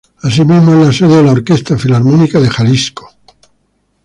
Asimismo es la sede de la Orquesta Filarmónica de Jalisco.